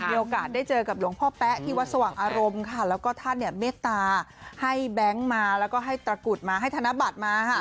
มีโอกาสได้เจอกับหลวงพ่อแป๊ะที่วัดสว่างอารมณ์ค่ะแล้วก็ท่านเนี่ยเมตตาให้แบงค์มาแล้วก็ให้ตระกุดมาให้ธนบัตรมาค่ะ